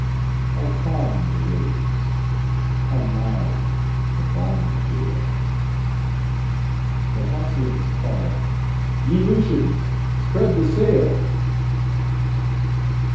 "How calm the waves, how mild the balmy gale! The Halcyons call, ye Lusians spread the sail!